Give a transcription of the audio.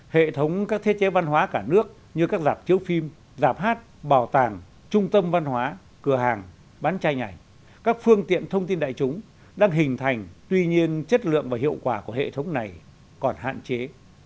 hệ thống các thiết chế văn hóa cả nước như các dạp chiếu phim giảp hát bảo tàng trung tâm văn hóa cửa hàng bán chai ảnh các phương tiện thông tin đại chúng đang hình thành tuy nhiên chất lượng và hiệu quả của hệ thống này còn hạn chế